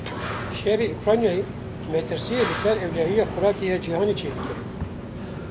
Şerê Ukraynayê metirsiyê li ser ewlehiya xurakê ya cîhanê çêdike.